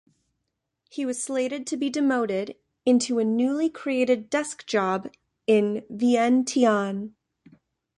He was slated to be demoted into a newly created desk job in Vientiane.